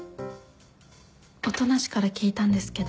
音無から聞いたんですけど。